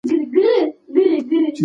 آیا پلار دې کله په مینه خبره کړې ده؟